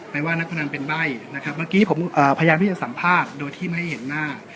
ว่านักพนันเป็นใบ้นะครับเมื่อกี้ผมพยายามที่จะสัมภาษณ์โดยที่ไม่เห็นหน้า